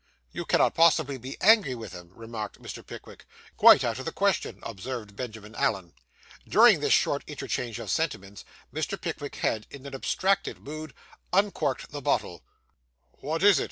'You cannot possibly be angry with him,' remarked Mr. Pickwick. 'Quite out of the question,' observed Benjamin Allen. During this short interchange of sentiments, Mr. Pickwick had, in an abstracted mood, uncorked the bottle. 'What is it?